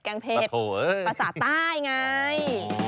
แกงเผ็ดแกงเผ็ดประสาทใต้ไง